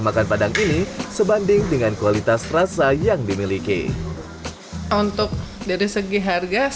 makan padang ini sebanding dengan kualitas rasa yang dimiliki untuk dari segi harga